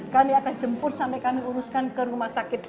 kami akan jemput sampai kami uruskan ke rumah sakit